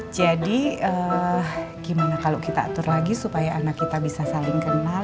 jadi gimana kalau kita atur lagi supaya anak kita bisa saling kenal